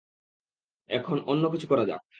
এখন অন্য কিছু করা যাক।